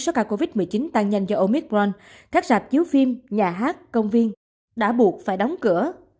sars cov một mươi chín tăng nhanh do omicron các rạp chiếu phim nhà hát công viên đã buộc phải đóng cửa